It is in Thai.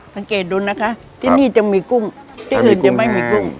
สังเกตดูนะคะที่นี่จะมีกุ้งที่อื่นจะไม่มีกุ้ง